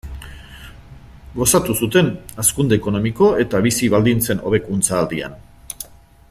Gozatu zuten hazkunde ekonomiko eta bizi-baldintzen hobekuntza aldian.